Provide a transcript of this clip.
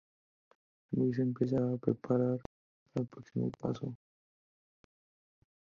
Luis se empezaba a preparar para el próximo paso.